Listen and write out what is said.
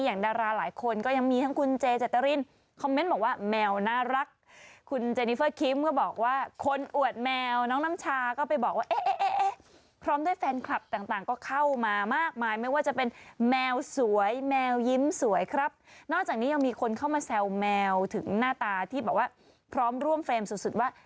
อย่างดาราหลายคนก็ยังมีทั้งคุณเจเจ้าตระริ้นคอมเม้นต์บอกว่า